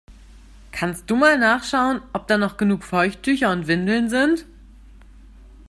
Kannst du mal nachschauen, ob da noch genug Feuertücher und Windeln sind?